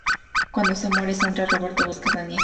Cuando se muere Sandra, Roberto busca a Daniel.